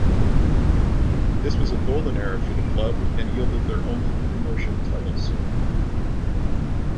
This was a golden era for the club and yielded their only premiership titles.